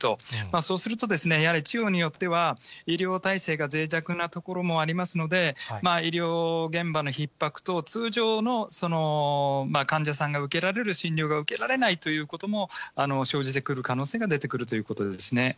そうすると、やはり地方によっては、医療体制が脆弱な所もありますので、医療現場のひっ迫等、通常の患者さんが受けられる診療が受けられないということも生じてくる可能性が出てくるということですね。